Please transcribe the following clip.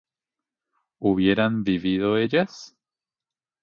¿hubieran vivido ellas?